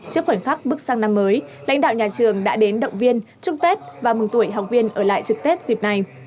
trước khoảnh khắc bước sang năm mới lãnh đạo nhà trường đã đến động viên chúc tết và mừng tuổi học viên ở lại trực tết dịp này